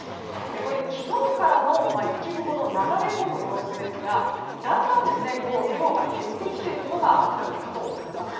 これ、昨日からの雪雲の流れ込む様子ですがだんだん量が減ってきているのが分かるかと思います。